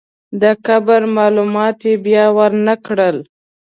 د قبر معلومات یې بیا ورنکړل.